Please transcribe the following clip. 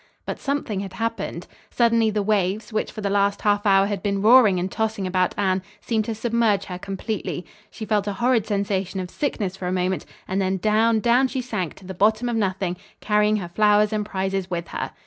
But something had happened. Suddenly the waves, which for the last half hour had been roaring and tossing about Anne, seemed to submerge her completely. She felt a horrid sensation of sickness for a moment; and then down, down she sank to the bottom of nothing, carrying her flowers and prizes with her.